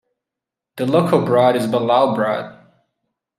The local broad is Belaugh Broad.